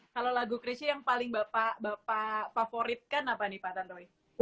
kalau lagu krecia yang paling bapak favorit kan apa nih pak tantoy